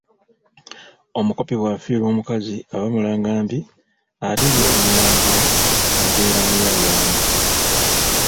Omukopi bw'afiirwa omukazi aba mulangambi ate ye omulangira abeera muyayaanyi.